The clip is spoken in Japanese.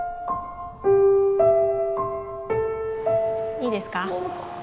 いいですか？